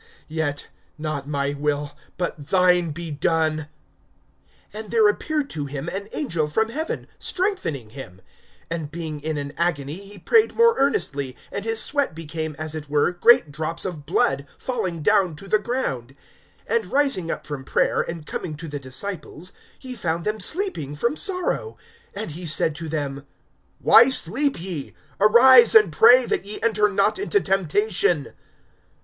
Yet, not my will but thine be done. (43)And there appeared to him an angel from heaven, strengthening him. (44)And being in an agony he prayed more earnestly; and his sweat became as it were great drops of blood falling down to the ground. (45)And rising up from prayer, and coming to the disciples, he found them sleeping, from sorrow. (46)And he said to them: Why sleep ye? Arise and pray, that ye enter not into temptation.